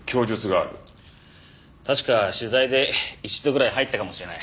確か取材で一度ぐらい入ったかもしれない。